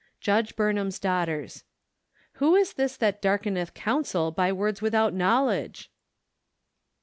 Judge Burnham's Daughters. " Who is this that darkeneth counsel by words without knowledge?"